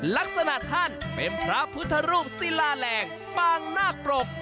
ลักษณะท่านเป็นพระพุทธรูปศิลาแรงปางนาคปรก